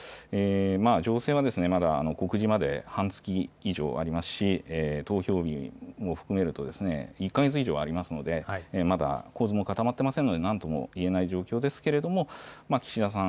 情勢は、まだ告示まで半月以上ありますし、投票日を含めると１か月以上ありますので、まだ構図も固まっていませんので、なんとも言えない状況ですけれども、岸田さん、